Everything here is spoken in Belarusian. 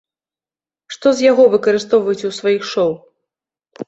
Што з яго выкарыстоўваеце ў сваіх шоў?